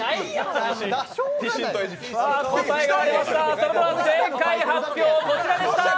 それでは、正解発表、こちらでした。